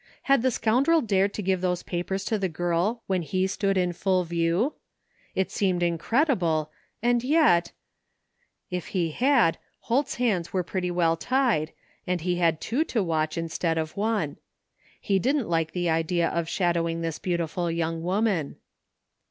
Had the scoundrel dared to give those papers to the girl when he stood in full view ? It seemed incredible, — and yet ? If he had. Holt's hands were pretty well tied and he had two to watch instead of one. He didn't like the idea of shadowing this beautiful young woman.